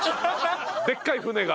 でっかい船が。